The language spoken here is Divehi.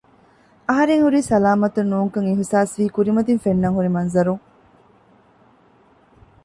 އަހަރެން ހުރީ ސަލާމަތުން ނޫންކަން އިހުސާސްވީ ކުރިމަތިން ފެންނަން ހުރި މަންޒަރުން